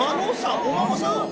お孫さん？